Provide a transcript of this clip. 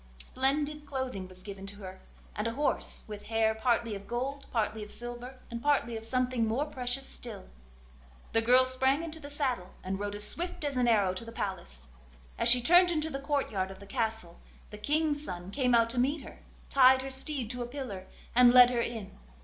Splendid clothing was given to her, and a horse, with hair partly of gold, partly of silver, and partly of something more precious still. The girl sprang into the saddle, and rode as swift as an arrow to the palace. As she turned into the courtyard of the castle the King's son came out to meet her, tied her steed to a pillar, and led her in.